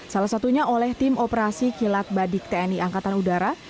salah satunya oleh tim operasi kilat badik tni angkatan udara